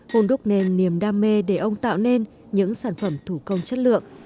hôn đúc nên niềm đam mê để ông tạo nên những sản phẩm thủ công chất lượng